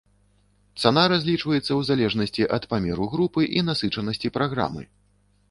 Цана разлічваецца ў залежнасці ад памеру групы і насычанасці праграмы.